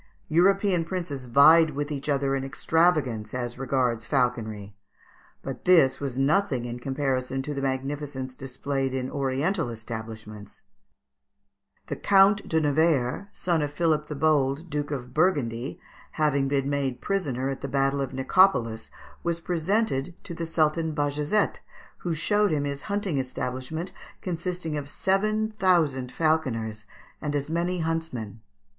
European princes vied with each other in extravagance as regards falconry; but this was nothing in comparison to the magnificence displayed in oriental establishments. The Count de Nevers, son of Philip the Bold, Duke of Burgundy, having been made prisoner at the battle of Nicopolis, was presented to the Sultan Bajazet, who showed him his hunting establishment consisting of seven thousand falconers and as many huntsmen.